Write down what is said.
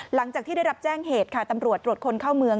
หลังจากที่ได้รับแจ้งเหตุค่ะตำรวจตรวจคนเข้าเมือง